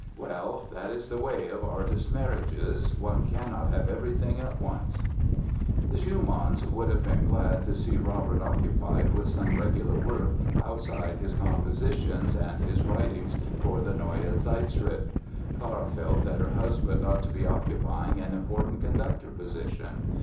Well, that is the way of artist marriages—one cannot have everything at once." The Schumanns would have been glad to see Robert occupied with some regular work outside his compositions and his writings for the Neue Zeitschrift. Clara felt that her husband ought to be occupying an important conductor position.